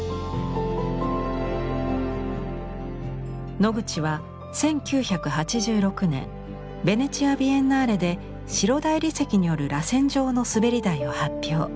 ノグチは１９８６年ベネチア・ビエンナーレで白大理石による螺旋状の滑り台を発表。